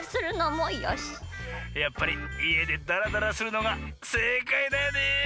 やっぱりいえでダラダラするのが正解だよね。